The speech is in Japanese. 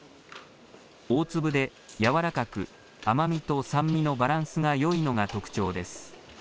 大粒で軟らかく、甘みと酸味のバランスがよいのが特徴です。